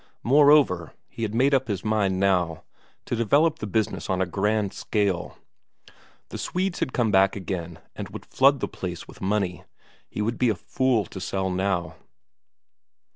Moreover, he had made up his mind now to develop the business on a grand scale. The Swedes had come back again and would flood the place with money; he would be a fool to sell out now.